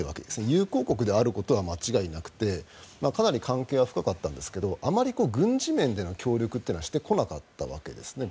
友好国であることは間違いなくてかなり関係は深かったんですけどあまり軍事面での協力はしてこなかったわけですね。